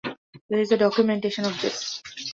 There is documentation of this.